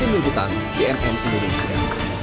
emil butang cnn indonesia